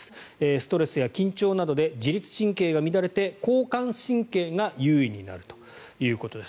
ストレスや緊張などで自律神経が乱れて交感神経が優位になるということです。